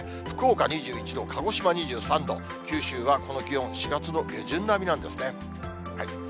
福岡２１度、鹿児島２３度、九州はこの気温、４月の下旬並みなんですね。